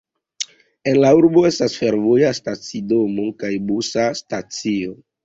En la urbo estas fervoja stacidomo kaj busa stacio.